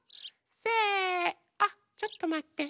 せあっちょっとまって。